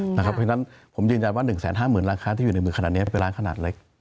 เพราะฉะนั้นผมยืนยันว่า๑๕๐๐๐ล้านค้าที่อยู่ในมือขนาดนี้เป็นร้านขนาดเล็ก